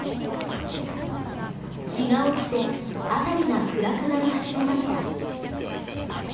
日が落ちて辺りが暗くなり始めました。